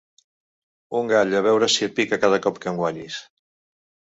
Un gall, a veure si et pica cada cop que em guanyis.